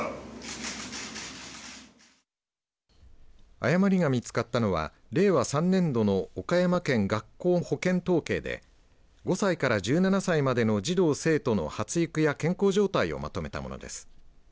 誤りが見つかったのは令和３年度の岡山県学校保健統計で５歳から１７歳までの児童、生徒の発育や健康状態をまとめたものです。